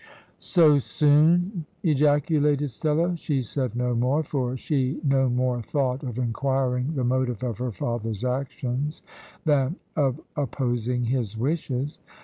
"So soon!" ejaculated Stella. She said no more, for she no more thought of inquiring the motive of her father's actions than of opposing his wishes.